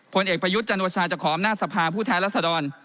ผลเอกประยุทธ์จันโอชาจะขออำนาจสภาผู้แทนรัศดร